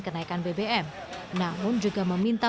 kenaikan bbm namun juga meminta